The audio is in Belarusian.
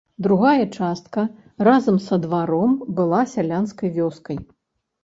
Другая частка разам са дваром была сялянскай вёскай.